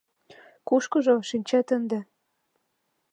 — Кушкыжо, шинчет ынде.